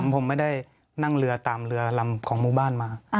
ผมไม่ได้นั่งเรือตามเรือลำของหมู่บ้านมา